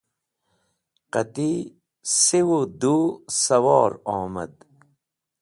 Qati sih wu du sawor omad